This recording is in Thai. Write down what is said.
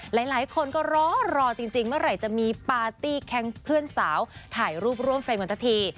หลายคนก็รอรอจริงเมื่อไหร่จะมีปาร์ตี้แคงเพื่อนสาวถ่ายรูปร่วมเฟรมกันสักที